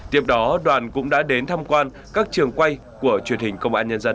tiếp đó đoàn cũng đã đến tham quan các trường quay của truyền hình công an nhân dân